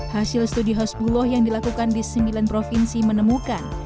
hasil studi hasbuloh yang dilakukan di sembilan provinsi menemukan